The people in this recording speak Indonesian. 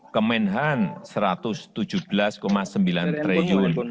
ke menhan rp satu ratus tujuh belas sembilan triliun